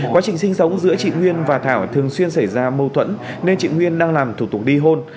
quá trình sinh sống giữa chị nguyên và thảo thường xuyên xảy ra mâu thuẫn nên chị nguyên đang làm thủ tục ly hôn